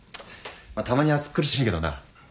まったまに暑っ苦しいけどな。